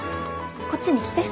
こっちに来て。